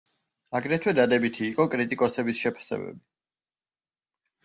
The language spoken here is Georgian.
აგრეთვე დადებითი იყო კრიტიკოსების შეფასებები.